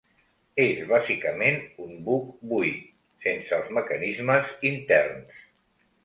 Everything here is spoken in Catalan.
És bàsicament un buc buit, sense els mecanismes interns.